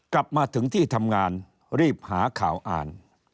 กลับมาถึงที่ทำงานรีบหาข่าวอ่าน